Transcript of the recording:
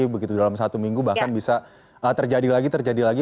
begitu dalam satu minggu bahkan bisa terjadi lagi terjadi lagi